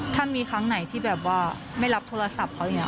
ถ้ามีครั้งไหนที่แบบว่าไม่รับโทรศัพท์เขาอย่างนี้